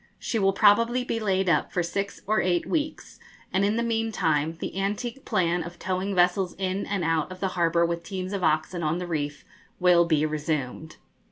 She will probably be laid up for six or eight weeks, and in the meantime the antique plan of towing vessels in and out of the harbour with teams of oxen on the reef will be resumed.'